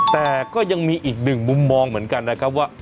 แต่ก็ยังมีอีกหนึ่งมุมมองเหมือนกันนะครับว่า